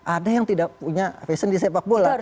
ada yang tidak punya fashion di sepak bola